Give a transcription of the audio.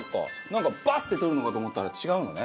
なんかバッて取るのかと思ったら違うのね。